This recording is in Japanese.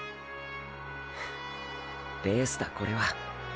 フレースだこれは。